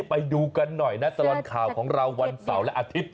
ไปดูกันหน่อยนะตลอดข่าวของเราวันเสาร์และอาทิตย์